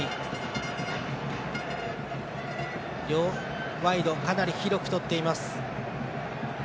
両ワイドかなり広く取っています。